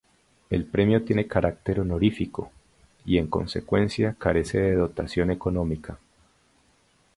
El Premio tiene carácter honorífico y en consecuencia carece de dotación económica.